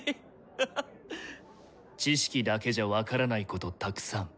知識だけじゃ分からないことたくさん。